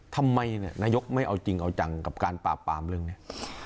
นายกไม่เอาจริงเอาจังกับการปราบปรามเรื่องนี้